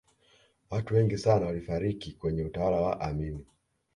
watu wengi sana walifariki kwenye utawala wa amini